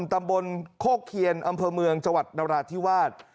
ตำบลโคกเคียนอำเภอเมืองจังหวัดนราธิวาส